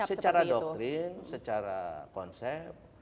ya jadi secara doktrin secara konsep